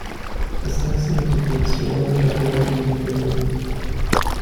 Das Taxi hat die Funktionen der vorherigen Filmen.